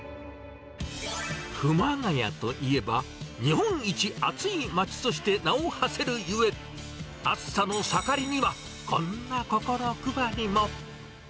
熊谷といえば、日本一暑い街として名をはせるゆえ、暑さの盛りには、こんな心配りも。